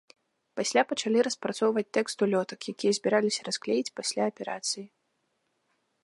Пасля пачалі распрацоўваць тэкст улётак, якія збіраліся расклеіць пасля аперацыі.